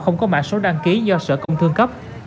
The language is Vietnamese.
không có mạng số đăng ký do sở công thương cấp